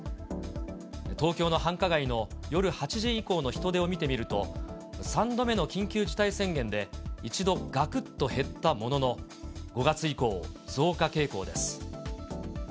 東京の繁華街の夜８時以降の人出を見てみると、３度目の緊急事態宣言で、一度がくっと減ったものの、５月以降、増加傾向です。